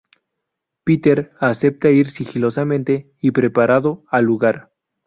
Peter acepta ir sigilosamente y preparado al lugar.